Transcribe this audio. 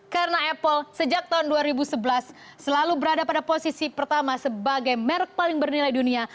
karena apple sejak tahun dua ribu sebelas selalu berada pada posisi pertama sebagai merk paling bernilai dunia